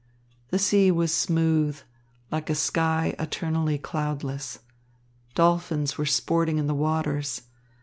The sea was smooth, like a sky eternally cloudless. Dolphins were sporting in the waters.